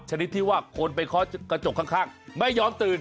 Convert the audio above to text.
ชนิดที่ว่าคนไปเคาะกระจกข้างไม่ยอมตื่น